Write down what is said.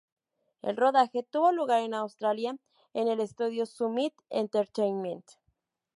El rodaje tuvo lugar en Australia en el estudio Summit Entertainment.